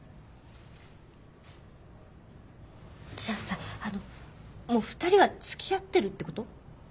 じゃあさあのもう２人はつきあってるってこと？